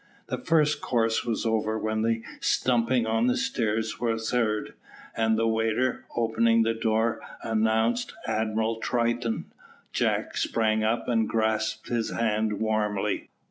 The first course was over when a stumping on the stairs was heard, and the waiter, opening the door, announced Admiral Triton. Jack sprang up and grasped his hand warmly.